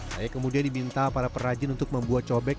saya kemudian diminta para perajin untuk membuat cobek